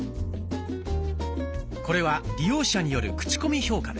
これは利用者によるクチコミ評価です。